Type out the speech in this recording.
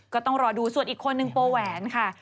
ก็ต้องรอดูส่วนอีกคนนึงโปแหวนค่ะ